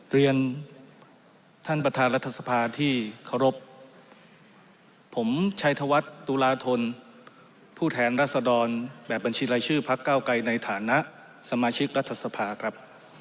เรียนท่านประธานรัฐสภาที่เคารพผมชัยธวัฒน์ตุลาธนผู้แทนรัศดรแบบบัญชีรายชื่อพักเก้าไกรในฐานะสมาชิกรัฐสภาครับ